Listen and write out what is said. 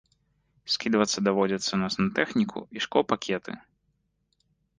Скідвацца даводзіцца на сантэхніку і шклопакеты.